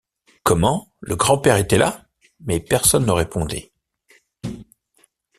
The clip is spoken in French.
Comment! le grand-père était là ! mais personne ne répondait.